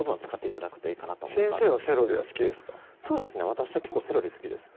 私は結構セロリ好きですね